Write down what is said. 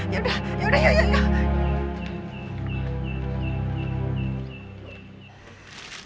ya udah ya udah yuk yuk yuk